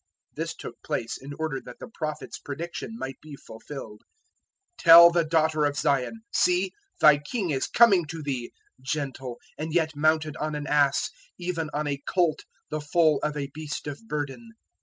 021:004 This took place in order that the Prophet's prediction might be fulfilled: 021:005 "Tell the Daughter of Zion, `See, thy King is coming to thee, gentle, and yet mounted on an ass, even on a colt the foal of a beast of burden.'"